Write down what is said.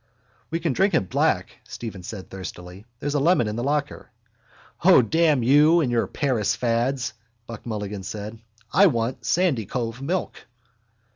—We can drink it black, Stephen said thirstily. There's a lemon in the locker. —O, damn you and your Paris fads! Buck Mulligan said. I want Sandycove milk.